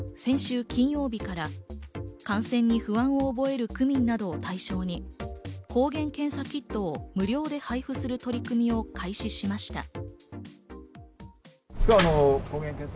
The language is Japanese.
世田谷区は先週金曜日から感染に不安を覚える区民などを対象に抗原検査キットを無料で配布する取り組みを開始しました。